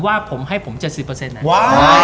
ว้าวแมทหลังโอเค